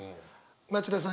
町田さん